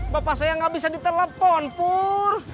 bapak saya gak bisa ditelepon pur